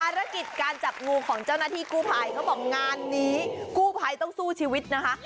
ภารกิจการจับงูของเจ้าหน้าที่กู้ภัยเขาบอกงานนี้กู้ภัยต้องสู้ชีวิตนะคะ